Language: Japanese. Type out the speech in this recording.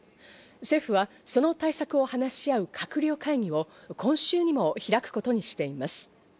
政府は、その対策を話し合う閣僚会議を今週にも開くことにしています。